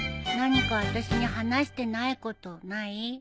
何かあたしに話してないことない？